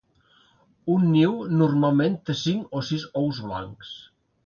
Un niu normalment té cinc o sis ous blancs.